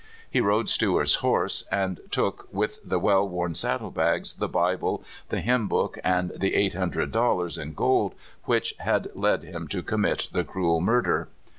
He rode Stewart's horse, and took, with the well worn saddlebags, the Bible, the hymn book, and the eight hundred dollars in gold which had led 8o CALIFORNIA SKETCHES. him to commit the cruel murder.